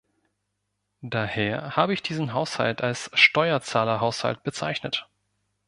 Daher habe ich diesen Haushalt als "Steuerzahlerhaushalt" bezeichnet.